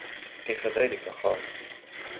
وَكَيْفَ ذَلِكَ ؟ قَالَ